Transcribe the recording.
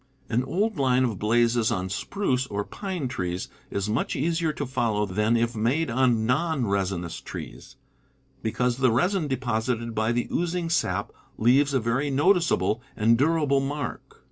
An old line of blazes on spruce or pine trees is much easier to follow than if made on non resinous trees, ^,,. because the resin deposited by the ooz Followmg a .,*• 1.1 j J. ing sap leaves a very noticeable and durable mark.